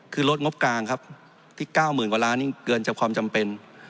คือลดงบกลางครับที่๙๐๐กว่าล้านนี่เกินจากความจำเป็น